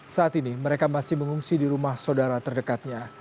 saat ini mereka masih mengungsi di rumah saudara terdekatnya